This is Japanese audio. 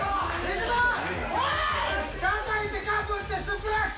たたいて、かぶって、スプラッシュ。